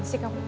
gak sih kamu